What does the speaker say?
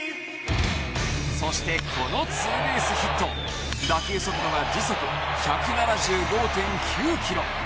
そして、このツーベースヒット打球速度が時速１７５．９キロ。